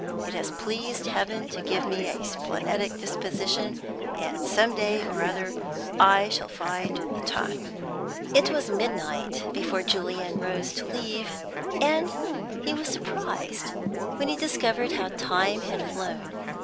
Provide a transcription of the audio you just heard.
It has pleased Heaven to give me a splenetic disposition, and some day or other I shall find the tongue." It was midnight before Julian rose to leave, and he was surprised when he discovered how time had flown.